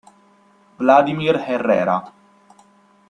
Wladimir Herrera